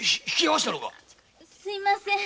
すみません。